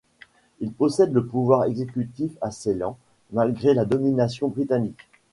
Il possède le pouvoir exécutif à Ceylan, malgré la domination britannique.